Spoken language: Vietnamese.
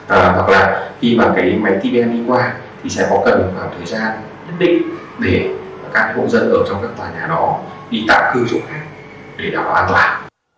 hoặc là khi mà máy tbm đi qua thì sẽ có cần khoảng thời gian nhất định để các hộ dân ở trong các tòa nhà đó đi tạm cư chỗ khác để đào an toàn